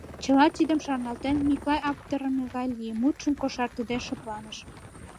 Чыла тидым шарналтен, Миклай аптраныме гай лие, мутшым кошартыде шыпланыш.